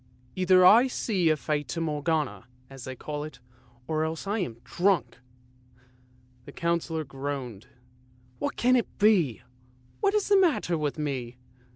" Either I see a Fata Morgana, as they call it, or else I am drunk! " the Councillor groaned. " What can it be? What is the matter with me?